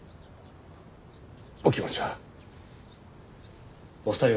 お気持ちは。